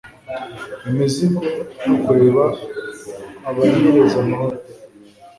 imizigo no kureba abanyereza amahoro